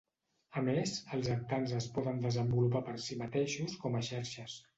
A més, els actants es poden desenvolupar per si mateixos com a xarxes.